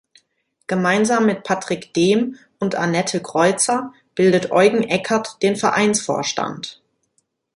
Gemeinsam mit Patrick Dehm und Annette Kreuzer bildet Eugen Eckert den Vereinsvorstand.